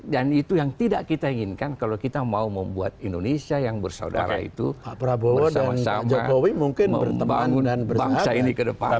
dan itu yang tidak kita inginkan kalau kita mau membuat indonesia yang bersaudara itu bersama sama membangun bangsa ini ke depan